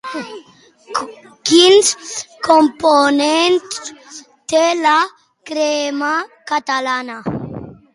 Quins components té la crema catalana?